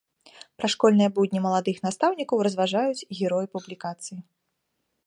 Пра школьныя будні маладых настаўнікаў разважаюць героі публікацыі.